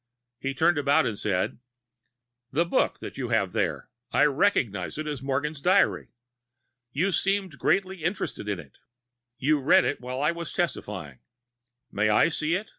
He turned about and said: "The book that you have there I recognize it as Morgan's diary. You seemed greatly interested in it; you read in it while I was testifying. May I see it?